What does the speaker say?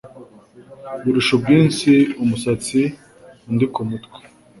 birusha ubwinshi umusatsi undi ku mutwe